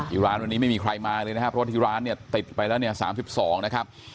อีกร้านวันนี้ไม่มีใครมาเลยนะครับเพราะว่าที่ร้านเนี่ยติดไปแล้วเนี่ย๓๒นะครับ